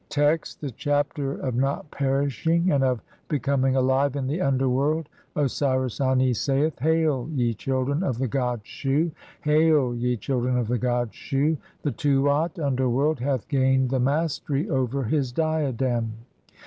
Text: (1) The Chapter of not perishing and of be coming ALIVE IN THE UNDERWORLD. Osiris Ani saith :— "Hail, (2) ye children of the god Shu! Hail, ye children of "the god Shu! The Tuat (underworld) hath gained the mastery "over his diadem.